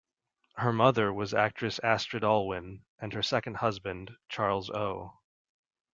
Her mother was actress Astrid Allwyn and her second husband, Charles O.